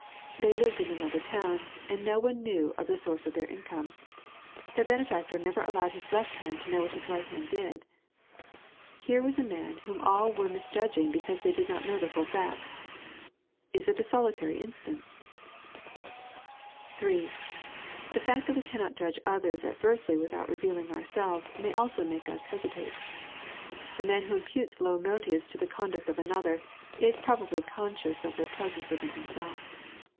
They lived in another town, and DO one knew of the source of their income. Their benefactor never allowed his left hand to know what his right hand did. Here was a man whom all were mis judging because they did not know the full facts. Is it a solitary instance % (3) Ths foot that we camnot judge others adx^rsdy without revealing ourselves may also make us hesitate. The man who imputes low motives to the conduct of another, is probably conscious of their presence within himself.